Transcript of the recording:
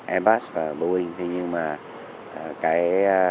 airbus và boeing thế nhưng mà cái